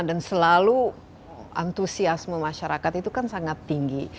dan selalu antusiasme masyarakat itu kan sangat tinggi